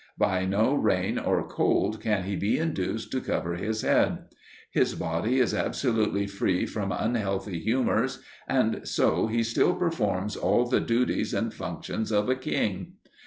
By no rain or cold can he be induced to cover his head. His body is absolutely free from unhealthy humours, and so he still performs all the duties and functions of a king.